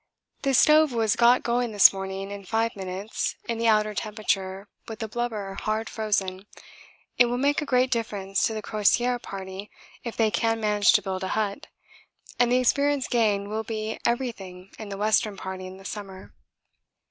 This stove was got going this morning in five minutes in the outer temperature with the blubber hard frozen. It will make a great difference to the Crozier Party if they can manage to build a hut, and the experience gained will be everything for the Western Party in the summer.